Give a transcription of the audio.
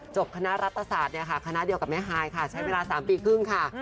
คณะรัฐศาสตร์คณะเดียวกับแม่ฮายค่ะใช้เวลา๓ปีครึ่งค่ะ